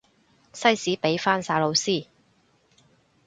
西史畀返晒老師